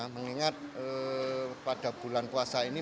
mengingat pada bulan puasa ini